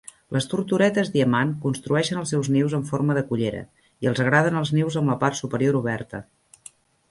Les tortoretes diamant construeixen els seus nius en forma de cullera, i els agraden els nius amb la part superior oberta.